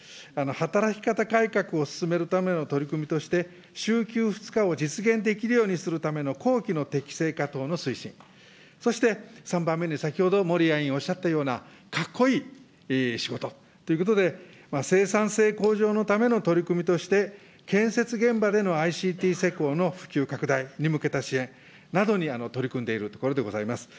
働き方改革を進めるための取り組みとして、週休２日を実現できるようにするためのこうきの適正化等の推進、そして、３番目に、先ほど森屋委員おっしゃったような、かっこいい仕事ということで、生産性向上のための取り組みとして、建設現場でのＩＣＴ施工の普及拡大に向けた支援などに取り組んでいるところでございます。